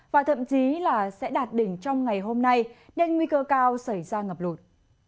và thậm chí là sẽ đạt đỉnh trong ngày hôm nay nên nguy cơ cao xảy ra ngập lụt